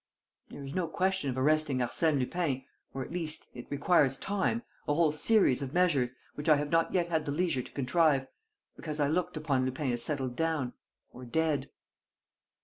"There is no question of arresting Arsène Lupin, or, at least, it requires time, a whole series of measures, which I have not yet had the leisure to contrive, because I looked upon Lupin as settled down ... or dead."